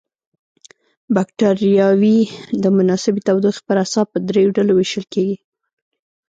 بکټریاوې د مناسبې تودوخې پر اساس په دریو ډلو ویشل کیږي.